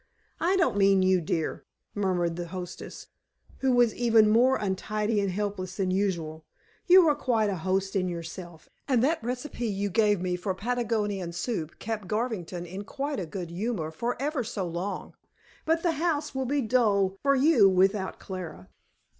"I don't mean you, dear," murmured the hostess, who was even more untidy and helpless than usual. "You are quite a host in yourself. And that recipe you gave me for Patagonian soup kept Garvington in quite a good humor for ever so long. But the house will be dull for you without Clara."